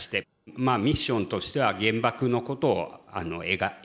まあミッションとしては原爆のことを描けと。